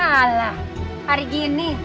alah hari gini